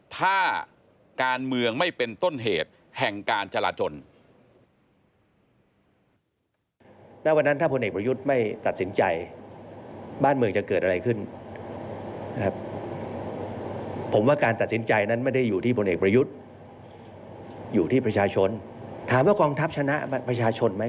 ถ้าการเมืองไม่เป็นต้นเหตุแห่งการจราจน